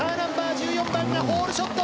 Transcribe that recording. １４番がホールショット。